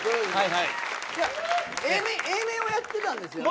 Ａ面をやってたんですよね。